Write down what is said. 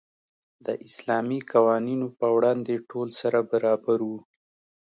د اسلامي قوانینو په وړاندې ټول سره برابر وو.